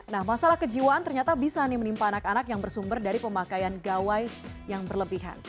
nah masalah kejiwaan ternyata bisa menimpa anak anak yang bersumber dari pemakaian gawai yang berlebihan